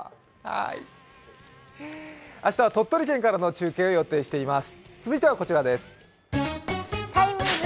明日は鳥取県からの中継を予定しています。